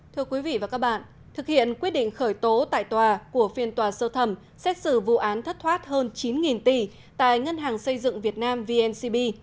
thưa quý vị và các bạn thực hiện quyết định khởi tố tại tòa của phiên tòa sơ thẩm xét xử vụ án thất thoát hơn chín tỷ tại ngân hàng xây dựng việt nam vncb